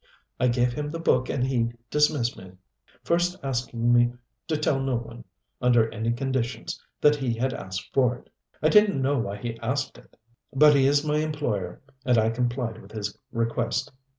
I gave him the book and he dismissed me, first asking me to tell no one, under any conditions, that he had asked for it. I didn't know why he asked it, but he is my employer, and I complied with his request.